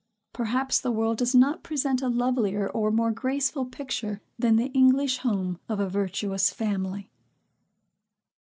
Perhaps the world does not present a lovelier or more graceful picture than the English home of a virtuous family.